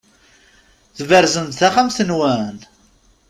Tberzem-d taxxamt-nwen?